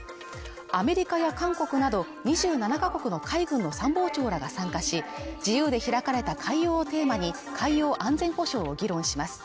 アメリカや韓国など２７か国の海軍の参謀長らが参加し自由で開かれた海洋をテーマに海洋安全保障を議論します